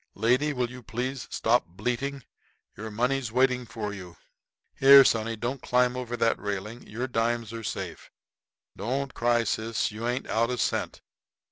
Lady, will you please stop bleating? Your money's waiting for you. Here, sonny, don't climb over that railing; your dimes are safe. Don't cry, sis; you ain't out a cent.